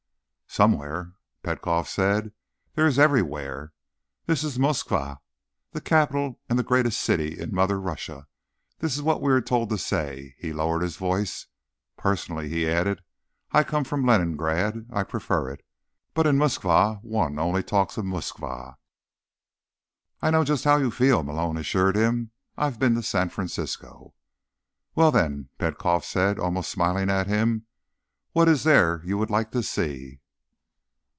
"Somewhere?" Petkoff said. "There is everywhere. This is Moskva, the capital and the greatest city in Mother Russia. That is what we are told to say." He lowered his voice. "Personally," he added, "I come from Leningrad. I prefer it. But in Moskva one talks only of Moskva." "I know just how you feel," Malone assured him. "I've been to San Francisco." "Well, then," Petkoff said, almost smiling at him. "What is there you would like to see?"